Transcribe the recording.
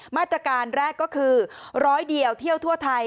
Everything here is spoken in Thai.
มาตรการแรกก็คือร้อยเดียวเที่ยวทั่วไทย